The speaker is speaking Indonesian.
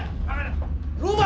tidak bisa dikebuk